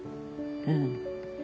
うん。